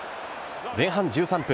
前半１３分